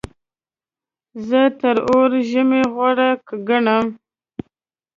زه تر اوړي ژمی غوره ګڼم.